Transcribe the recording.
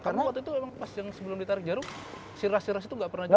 karena waktu itu emang pas yang sebelum ditarik jarum siras itu gak pernah juara